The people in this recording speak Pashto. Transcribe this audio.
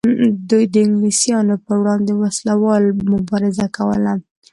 دوی د انګلیسانو پر وړاندې وسله واله مبارزه کوله.